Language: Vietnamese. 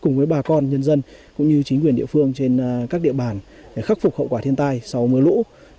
cùng với bà con nhân dân cũng như chính quyền địa phương trên các địa bàn để khắc phục hậu quả thiên tai sau mưa lũ